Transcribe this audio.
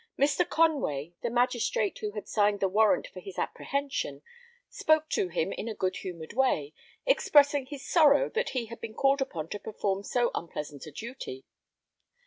Mr. Conway, the magistrate who had signed the warrant for his apprehension, spoke to him in a good humoured way, expressing his sorrow that he had been called upon to perform so unpleasant a duty.